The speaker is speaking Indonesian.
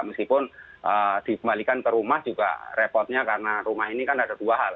meskipun dikembalikan ke rumah juga repotnya karena rumah ini kan ada dua hal